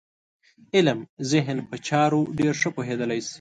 علم ذهن په چارو ډېر ښه پوهېدلی شي.